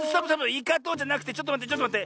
「イカと」じゃなくてちょっとまってちょっとまって。